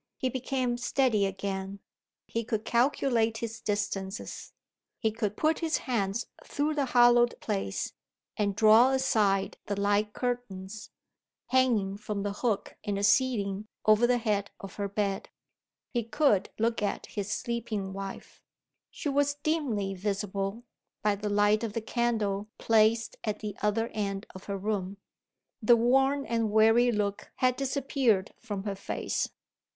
He became steady again: he could calculate his distances: he could put his hands through the hollowed place, and draw aside the light curtains, hanging from the hook in the ceiling over the head of her bed. He could look at his sleeping wife. She was dimly visible, by the light of the candle placed at the other end of her room. The worn and weary look had disappeared from her face.